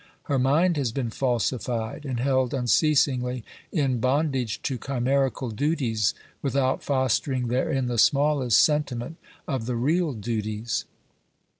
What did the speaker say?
Her mind has been falsified and held unceasingly in bondage to chimerical duties, without fostering therein the smallest sentiment of the real duties.